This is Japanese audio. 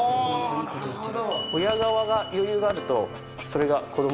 いいこと言ってる。